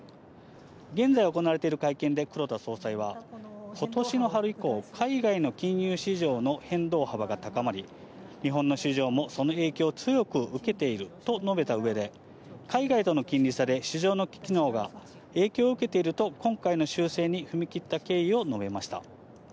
現在行われている会見で黒田総裁は、ことしの春以降、海外の金融市場の変動幅が高まり、日本の市場もその影響を強く受けていると述べたうえで、海外との金利差で市場の機能が影響を受けていると、今回の修正に踏み切った経緯を述べました。